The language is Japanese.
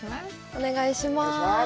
お願いします。